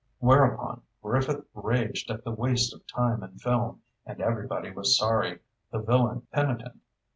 Whereupon, Griffith raged at the waste of time and film, and everybody was sorry, the villain penitent.